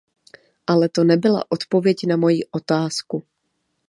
Ale to nebyla odpověď na moji otázku.